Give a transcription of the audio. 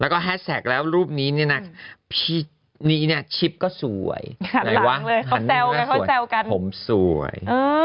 แล้วแฮสแทคแล้วรูปนี้นะชิปปี้ก็สวยว่าอะไรคะผมสวย